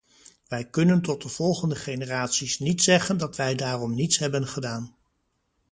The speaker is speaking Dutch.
Wij kunnen tot de volgende generaties niet zeggen dat wij daarom niets hebben gedaan.